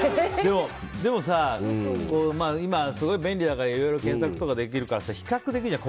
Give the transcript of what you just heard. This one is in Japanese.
でもさ、今すごい便利だからいろいろ検索とかできるから比較できるじゃん。